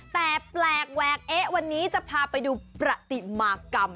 แต่แปลกแวกเอ๊ะวันนี้จะพาไปดูประติมากรรม